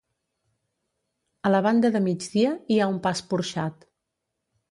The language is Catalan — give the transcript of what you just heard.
A la banda de migdia hi ha un pas porxat.